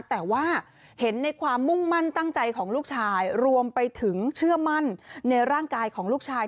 แต่ว่าเห็นในความมุ่งมั่นตั้งใจของลูกชายรวมไปถึงเชื่อมั่นในร่างกายของลูกชาย